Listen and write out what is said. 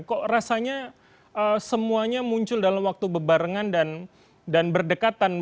kok rasanya semuanya muncul dalam waktu berbarengan dan berdekatan